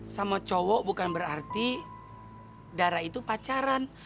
sama cowok bukan berarti darah itu pacaran